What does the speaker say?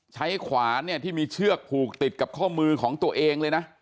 ขวานเนี่ยที่มีเชือกผูกติดกับข้อมือของตัวเองเลยนะ